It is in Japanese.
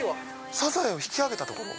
サザエを引き上げたところ？